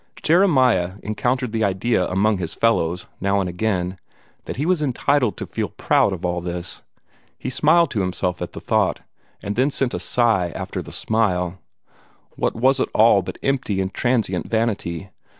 Jeremiah encountered the idea among his fellows, now and again, that he was entitled to feel proud of all this. He smiled to himself at the thought, and then sent a sigh after the smile. What was it all but empty and transient vanity?